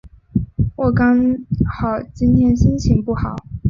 或刚好今天心情不好？